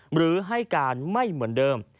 หรือให้การไม่เหมือนเดิม